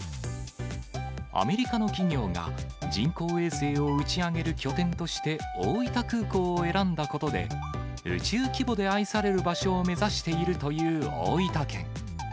アメリカの企業が人工衛星を打ち上げる拠点として大分空港を選んだことで、宇宙規模で愛される場所を目指しているという大分県。